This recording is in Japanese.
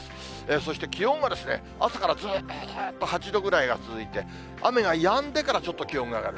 そして気温は朝からずーっと８度ぐらいが続いて、雨がやんでからちょっと気温が上がる。